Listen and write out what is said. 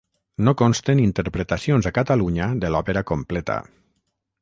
No consten interpretacions a Catalunya de l'òpera completa.